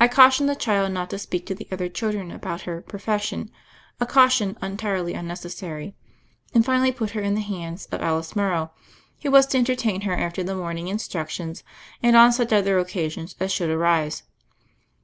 I cautioned the child not to speak to the other children about her "profession" — a cau tion entirely unnecessary — and finally put her in the hands of Alice morrow, who was to en tertain her after the morning instructions and on such other occasions as should arise.